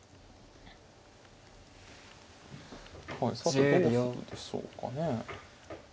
さてどうするでしょうかね。